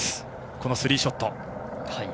このスリーショット。